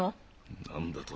何だと？